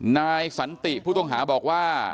นายสันติผู้ต้องหาบอกว่า